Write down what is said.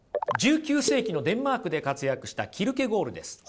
１９世紀のデンマークで活躍したキルケゴールです。